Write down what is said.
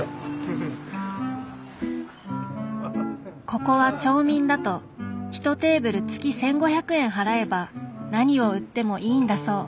ここは町民だと１テーブル月１，５００円払えば何を売ってもいいんだそう。